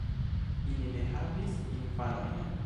Ili ne havis infanojn.